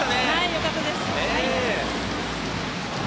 良かったです。